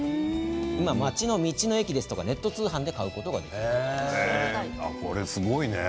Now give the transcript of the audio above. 今、町の道の駅やネット通販で買うことができます。